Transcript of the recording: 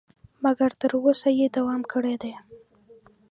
مګر تر اوسه یې دوام کړی دی.